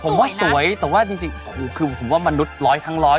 ผมว่าสวยแต่ว่าจริงคือผมว่ามนุษย์ร้อยครั้งร้อย